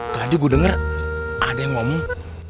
tadi gue denger ada yang ngomong